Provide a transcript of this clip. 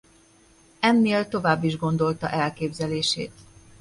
Ennél tovább is gondolta elképzelését.